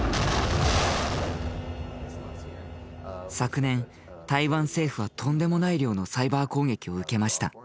昨年台湾政府はとんでもない量のサイバー攻撃を受けました。